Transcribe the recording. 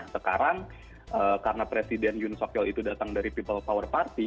sekarang karena presiden yoon seok yeol itu datang dari people power party